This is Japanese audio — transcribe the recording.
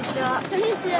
こんにちは。